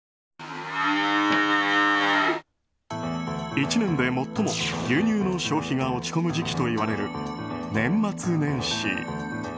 １年で最も牛乳の消費が落ち込む時期と言われる年末年始。